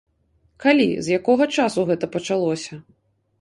Калі, з якога часу гэта пачалося?